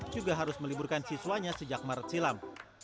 juga harus meliburkan siswanya sejak maret silam